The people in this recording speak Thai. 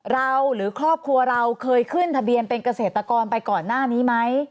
หรือครอบครัวเราเคยขึ้นทะเบียนเป็นเกษตรกรไปก่อนหน้านี้ไหม